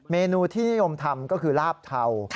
เมนูที่นิยมทำก็คือลาบเทา